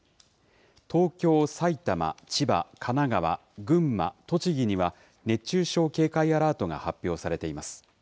東京、埼玉、千葉、神奈川、群馬、栃木には、熱中症警戒アラートが発表されています。